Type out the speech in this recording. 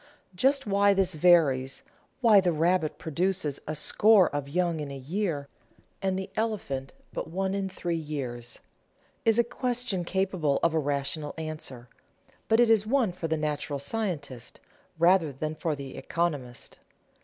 Just why this varies, why the rabbit produces a score of young in a year, and the elephant but one in three years, is a question capable of a rational answer, but it is one for the natural scientist rather than for the economist.